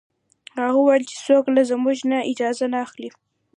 هغه وویل چې څوک له موږ نه اجازه نه اخلي.